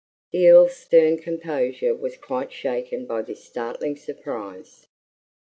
The Earl's stern composure was quite shaken by this startling surprise.